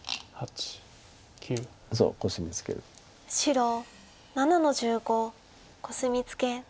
白７の十五コスミツケ。